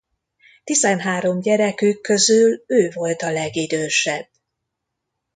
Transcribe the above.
Tizenhárom gyerekük közül ő volt a legidősebb.